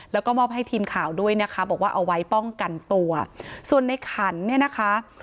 แล้วก็มอบให้ทีมข่าวด้วยนะคะบอกว่าเอาไว้ป้องกันตัวส่วนในขันเนี่ยนะคะ